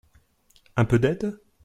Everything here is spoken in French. Un peu d'aide ?